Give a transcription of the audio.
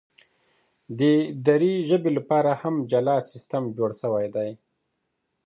د دري ژبي لپاره هم جلا سیستم جوړ سوی دی.